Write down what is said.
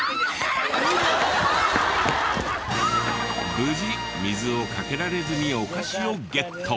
無事水をかけられずにお菓子をゲット！